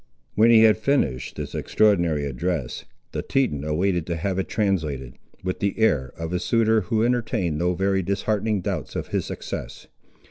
When he had finished this extraordinary address, the Teton awaited to have it translated, with the air of a suitor who entertained no very disheartening doubts of his success.